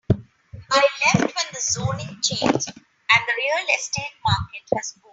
I left when the zoning changed and the real estate market has boomed.